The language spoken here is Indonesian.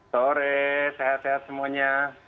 sore sehat sehat semuanya